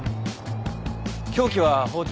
凶器は包丁。